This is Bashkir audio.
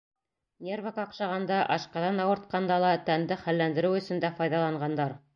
Нервы ҡаҡшағанда, ашҡаҙан ауыртҡанда ла, тәнде хәлләндереү өсөн дә файҙаланғандар.